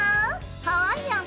ハワイアン。